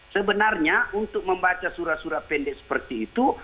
sebenarnya untuk membaca surah surah pendek seperti itu